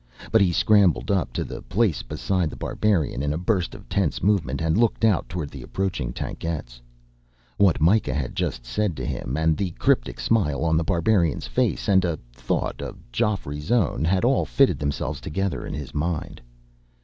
But he scrambled up to a place beside The Barbarian in a burst of tense movement, and looked out toward the approaching tankettes. What Myka had just said to him, and the cryptic smile on The Barbarian's face, and a thought of Geoffrey's own, had all fitted themselves together in his mind.